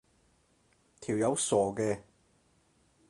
條友傻嘅